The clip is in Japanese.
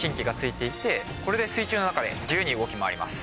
これで水中の中で自由に動き回ります。